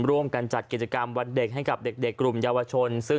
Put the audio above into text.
ร่วมกันจัดกิจกรรมวันเด็กให้กับเด็กกลุ่มเยาวชน